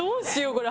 これ。